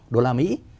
đô la mỹ